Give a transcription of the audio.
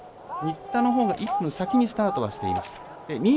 新田のほうが１分先にスタートしていました。